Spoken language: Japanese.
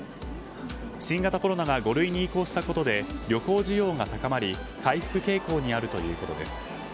新型コロナが５類に移行したことで旅行需要が高まり回復傾向にあるということです。